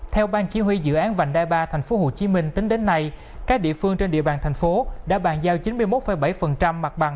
theo ban chỉ huy dự án vành đai ba tp hcm tính đến nay các địa phương trên địa bàn thành phố đã bàn giao chín mươi một bảy mặt bằng